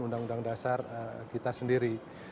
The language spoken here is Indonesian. undang undang dasar kita sendiri